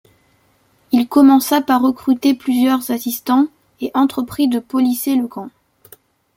Il commença par recruter plusieurs assistants et entreprit de policer le camp.